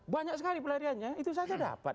banyak sekali pelariannya itu saja dapat